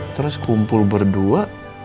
terus kumpul berdua